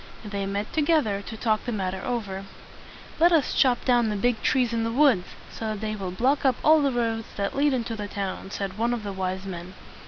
They met together to talk the matter over. "Let us chop down the big trees in the woods, so that they will block up all the roads that lead into the town," said one of the wise men.